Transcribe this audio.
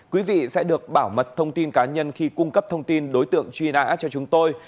quý vị sẽ được bảo mật thông tin cá nhân khi cung cấp thông tin đối tượng truy nã cho chúng tôi